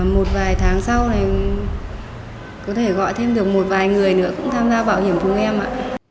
một vài tháng sau này có thể gọi thêm được một vài người nữa cũng tham gia bảo hiểm của em ạ